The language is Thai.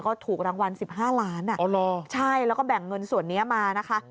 ก็ถูกรางวัล๑๕ล้านใช่แล้วก็แบ่งเงินส่วนนี้มานะคะ